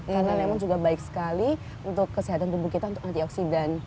karena lemon juga baik sekali untuk kesehatan tubuh kita untuk antioksidan